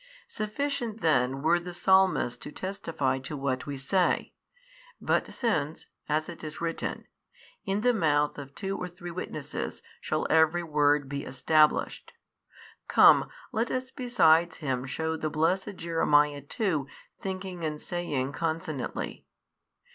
Sufficient then were the Psalmist to testify to what we say, but since (as it is written), In the mouth of two or three witnesses shall every word be established, come let us besides him shew the blessed Jeremiah too thinking and saying consonantly.